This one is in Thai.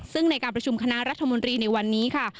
ซึ่งในการประชุมคณะรัฐมนตรีในวันนี้ค่ะ